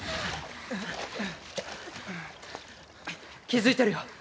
気づいてるよ